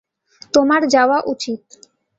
তোমার যাওয়া উচিত।